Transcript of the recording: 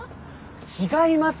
違いますよ！